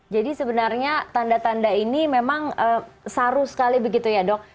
jadi sebenarnya tanda tanda ini memang saru sekali begitu ya dok